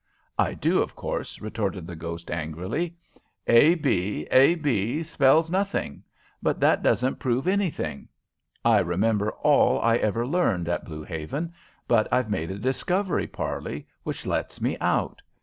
"I do, of course," retorted the ghost, angrily. "A b, ab, spells nothing. But that doesn't prove anything. I remember all I ever learned at Blue Haven, but I've made a discovery, Parley, which lets me out.